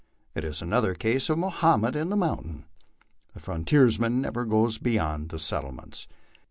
It is another case of Mohammed and the mountain. The frontiersman never goes beyond the settlements.